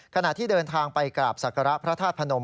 ขณะที่เดินทางไปกราบศักระพระธาตุพนม